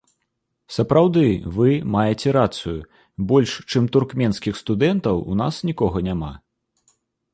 Сапраўды, вы маеце рацыю, больш, чым туркменскіх студэнтаў, у нас нікога няма.